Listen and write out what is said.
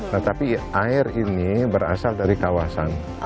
nah tapi air ini berasal dari kawasan